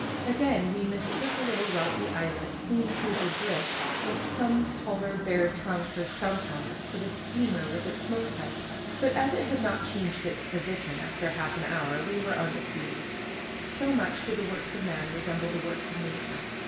Again we mistook a little rocky islet seen through the "drisk," with some taller bare trunks or stumps on it, for the steamer with its smoke pipes, but as it had not changed its position after half an hour we were undeceived. So much do the works of man resemble the works of nature.